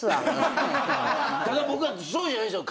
ただ僕はそうじゃないんすよ。